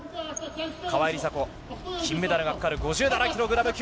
川井梨紗子、金メダルがかかる５７キログラム級。